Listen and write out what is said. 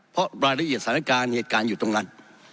เพราะรายละเอียดสถานการณ์เหตุการณ์อยู่ตรงนั้น